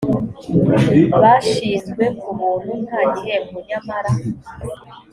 bashinzwe ku buntu nta gihembo nyamara